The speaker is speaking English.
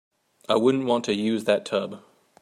I wouldn't want to use that tub.